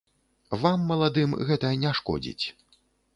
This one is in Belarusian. Вам, маладым, гэта не шкодзіць.